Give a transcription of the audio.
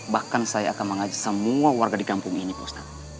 bahkan saya akan mengajis semua warga di kampung ini pak ustadz